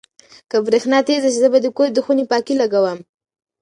که برېښنا تېزه شي، زه به د خونې پکۍ لګوم.